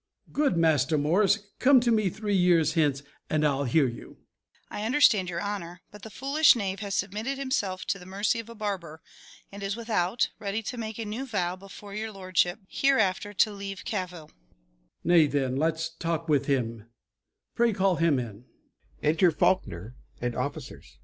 good Master Morris, Come to me three years hence, and then I'll hear you. MORRIS. I understand your honor: but the foolish knave has submitted himself to the mercy of a barber, and is without, ready to make a new vow before your lordship, hereafter to leave cavil.